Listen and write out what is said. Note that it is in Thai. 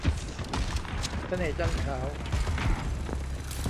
เสน่ห์จันทร์ขาว